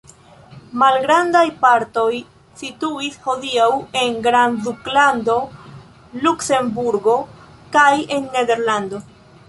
Malgrandaj partoj situis hodiaŭ en grandduklando Luksemburgo kaj en Nederlando.